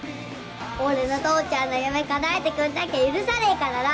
俺の父ちゃんの夢かなえてくんなきゃ許さねえからな！